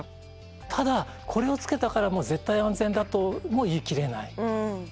ただこれをつけたから絶対安全だとも言い切れないわけですよね。